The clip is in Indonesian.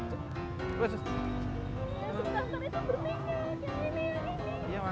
yang susah kan itu bertengkar